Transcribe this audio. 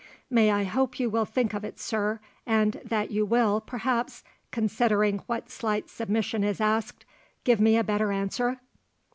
"May I hope you will think of it, sir; and that you will, perhaps, considering what slight submission is asked, give me a better answer?"